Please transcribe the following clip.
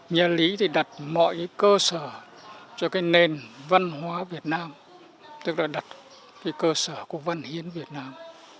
nhà lý thì đặt mọi cái cơ sở cho cái nền văn hóa việt nam tức là đặt cái cơ sở của văn hiến việt nam